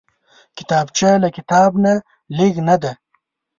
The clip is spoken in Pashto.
کتابچه له کتاب نه لږ نه ده